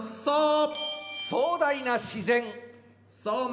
壮大な自然。